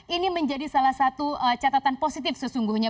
ini menjadi salah satu catatan positif sesungguhnya